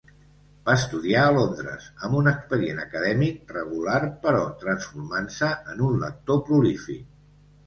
Va estudiar a Londres, amb un expedient acadèmic regular, però transformant-se en un lector prolífic.